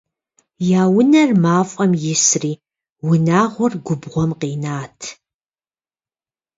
Я унэр мафӀэм исри, унагъуэр губгъуэм къинат.